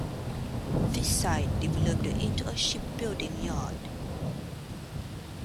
This site developed into a shipbuilding yard.